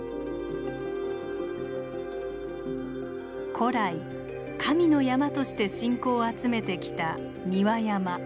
古来神の山として信仰を集めてきた三輪山。